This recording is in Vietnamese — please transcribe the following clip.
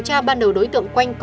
thì cái đối tượng này